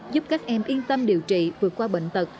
giúp các em yên tâm điều trị vượt qua bệnh tật